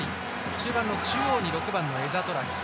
中盤の中央に６番のエザトラヒ。